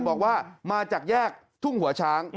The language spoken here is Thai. บอกว่ามาจากแยกทุ่งหัวช้าง